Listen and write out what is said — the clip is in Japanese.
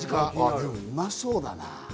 うまそうだな。